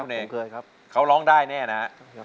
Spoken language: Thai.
เปลี่ยนเพลงเก่งของคุณและข้ามผิดได้๑คำ